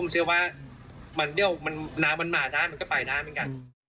เชื่อว่าน้ำมันมาได้มันก็ไปได้เหมือนกัน